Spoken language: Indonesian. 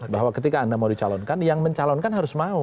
bahwa ketika anda mau dicalonkan yang mencalonkan harus mau